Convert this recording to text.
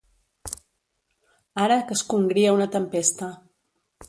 Ara que es congria una tempesta.